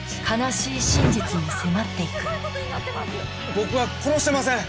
僕は殺してません！